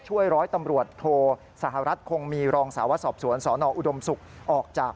ร้อยตำรวจโทสหรัฐคงมีรองสาวสอบสวนสนอุดมศุกร์ออกจาก